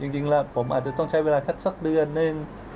จริงแล้วผมอาจจะต้องใช้เวลาแค่สักเดือนนึง